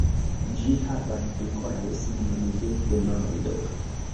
Ĝi havas ankoraŭ signon de demando.